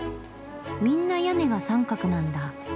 みんな屋根が三角なんだ。